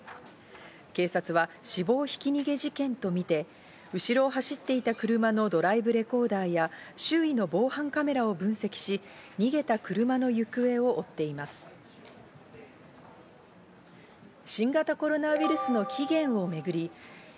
警察は死亡ひき逃げ事件とみて後ろを走っていた車のドライブレコーダーや、周囲の防犯カメラを分析し、逃げた車の行方を追っています。